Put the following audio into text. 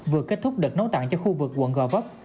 vừa kết thúc đợt nấu tặng cho khu vực quận gò vấp